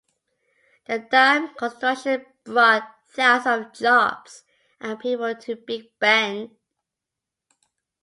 The dam construction brought thousands of jobs and people to Big Bend.